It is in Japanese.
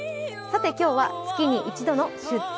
今日は月に一度の「出張！